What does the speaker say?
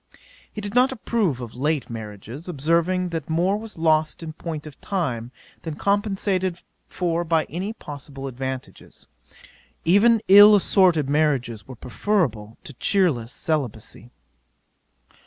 'He did not approve of late marriages, observing that more was lost in point of time, than compensated for by any possible advantages. Even ill assorted marriages were preferable to cheerless celibacy.